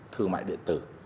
thương mại điện tử